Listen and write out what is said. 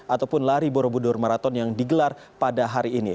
ataupun lari borobudur maraton yang digelar pada hari ini